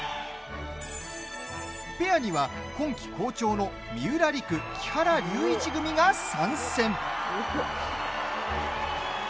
ペアには、今季好調の三浦璃来木原龍一組が参戦。